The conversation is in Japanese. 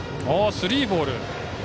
スリーボール。